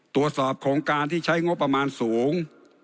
ตรวจสอบโครงการที่ใช้งบประมาณสูง